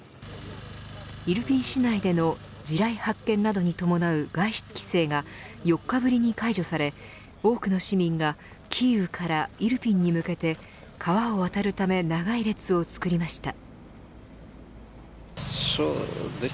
イルピン市内での地雷発見などに伴う外出規制が４日ぶりに解除され多くの市民がキーウからイルピンに向けて川を渡るため長い列を作りました。